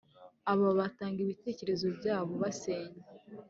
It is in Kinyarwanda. Aba batanga ibitekerezo byabo basenya